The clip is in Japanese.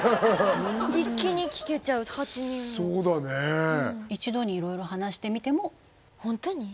一気に聞けちゃう８人もそうだね一度にいろいろ話してみても本当に？